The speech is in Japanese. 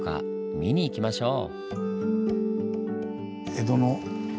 見に行きましょう！